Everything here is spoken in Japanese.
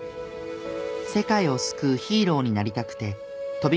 世界を救うヒーローになりたくて飛び込んだ戦場